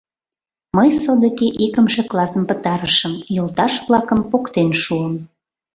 Мый содыки икымше классым пытарышым, йолташ-влакым поктен шуым.